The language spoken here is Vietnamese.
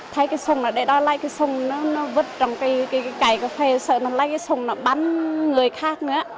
thấy cái súng ở đây đó lấy cái súng nó vứt trong cái cài cà phê sợ nó lấy cái súng nó bắn người khác nữa